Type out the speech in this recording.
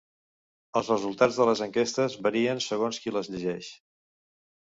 Els resultats de les enquestes varien segons qui les llegeix.